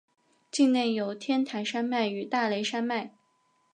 境内有天台山脉与大雷山脉。